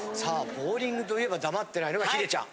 ボウリングといえば黙ってないのがヒデちゃん。